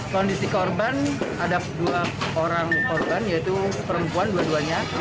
kondisi korban ada dua orang korban yaitu perempuan dua duanya